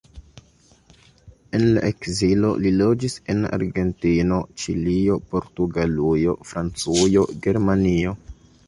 En la ekzilo, li loĝis en Argentino, Ĉilio, Portugalujo, Francujo, Germanio.